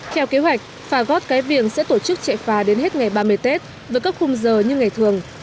theo kế hoạch phà gót cái viền sẽ tổ chức chạy phà đến hết ngày ba mươi tết với các khung giờ như ngày thường